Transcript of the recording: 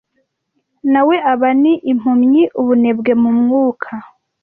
Na we Aba ni impumyi ubunebwe mu mwuka